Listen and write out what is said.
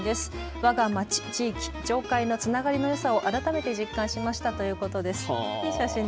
わが町、地域、町会のつながりのよさを改めて実感しましたということです。